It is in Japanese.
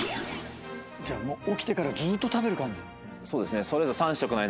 じゃあ起きてからずーっと食べる感じ？